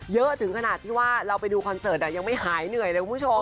เยอะถึงขนาดที่ว่าเราไปดูคอนเสิร์ตยังไม่หายเหนื่อยเลยคุณผู้ชม